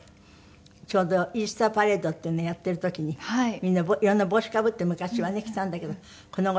ちょうどイースターパレードっていうのをやっている時にみんな色んな帽子かぶって昔はね来たんだけどこの頃